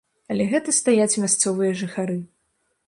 Але гэта стаяць мясцовыя жыхары.